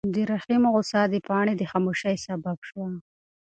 د رحیم غوسه د پاڼې د خاموشۍ سبب شوه.